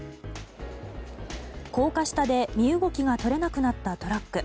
高架下で身動きが取れなくなったトラック。